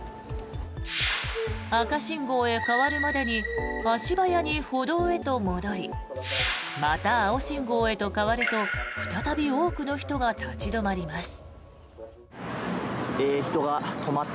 赤信号へ変わるまでに足早に歩道へと戻りまた青信号へと変わると再び多くの人が立ち止まります。